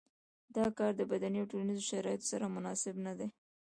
دا کار د بدني او ټولنیزو شرایطو سره مناسب نه دی.